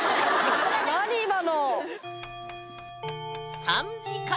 何今の！